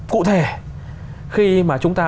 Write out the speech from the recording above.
cụ thể khi mà chúng ta